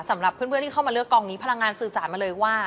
สำหรับเพื่อนที่เข้ามาเลือกกองนี้พลังงานสื่อสารมาเลยว่า